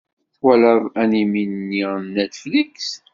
Tawalaḍ animi-nni n Netflix?